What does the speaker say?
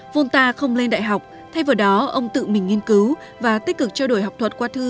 volta không lên đại học thay vào đó ông tự mình nghiên cứu và tích cực trao đổi học thuật qua thư